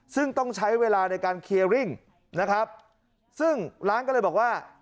ซึ่งต้องใช้เวลาในการเคลียร์ริ่งนะครับซึ่งร้านก็เลยบอกว่า